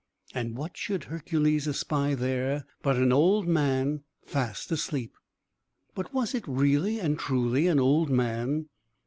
And what should Hercules espy there but an old man, fast asleep! But was it really and truly an old man?